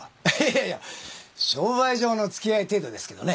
商売上の付き合い程度ですけどね。